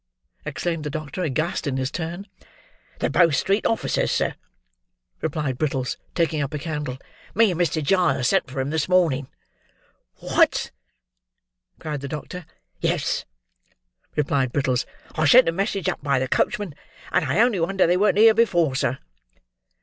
exclaimed the doctor, aghast in his turn. "The Bow Street officers, sir," replied Brittles, taking up a candle; "me and Mr. Giles sent for 'em this morning." "What?" cried the doctor. "Yes," replied Brittles; "I sent a message up by the coachman, and I only wonder they weren't here before, sir."